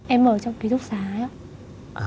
em ở trong ký túc xá ấy ạ